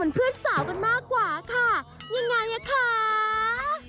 ว้าวแต่มาเนียนแววช่างผมก็มาเหมือนกันนะคะคุณพ่อ